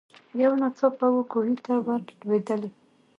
یو ناڅاپه وو کوهي ته ور لوېدلې